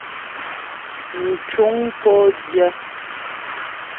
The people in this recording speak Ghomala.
Mcuŋ kó dyə̂.